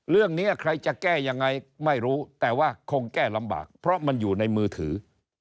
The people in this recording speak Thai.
เรื่องนี้ใครจะแก้ยังไงไม่รู้แต่ว่าคงแก้ลำบากเพราะมันอยู่ในมือถือ